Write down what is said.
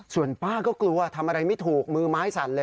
ส่วนป้าก็กลัวทำอะไรไม่ถูกมือไม้สั่นเลย